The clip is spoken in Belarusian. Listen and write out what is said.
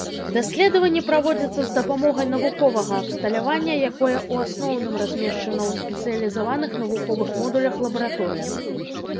Даследаванні праводзяцца з дапамогай навуковага абсталявання, якое ў асноўным размешчана ў спецыялізаваных навуковых модулях-лабараторыях.